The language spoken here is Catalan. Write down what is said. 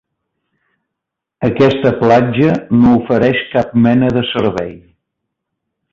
Aquesta platja no ofereix cap mena de servei.